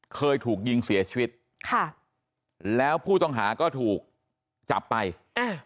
เคยถูกยิงเสียชีวิตค่ะแล้วผู้ต้องหาก็ถูกจับไปอ่า